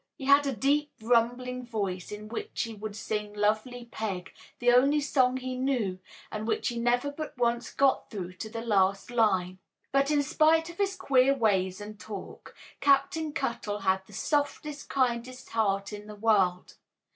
He had a deep, rumbling voice, in which he would sing Lovely Peg, the only song he knew, and which he never but once got through to the last line. But in spite of his queer ways and talk, Captain Cuttle had the softest, kindest heart in the world.